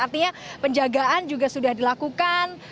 artinya penjagaan juga sudah dilakukan